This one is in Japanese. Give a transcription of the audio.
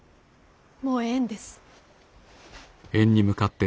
もうええんです。